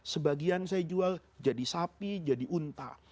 sebagian saya jual jadi sapi jadi unta